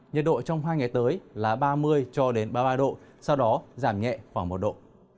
nhiệt độ trong hai ngày tới là ba mươi cho đến ba mươi ba độ sau đó giảm nhẹ khoảng một độ